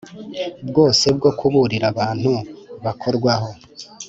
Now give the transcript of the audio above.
bwose bwo kuburira abantu bakorwaho